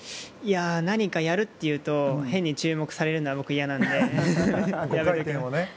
何かやるって言うと変に注目されるのは僕は嫌なので。